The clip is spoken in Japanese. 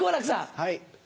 はい。